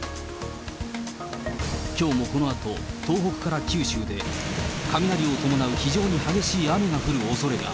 きょうもこのあと、東北から九州で、雷を伴う非常に激しい雨が降るおそれが。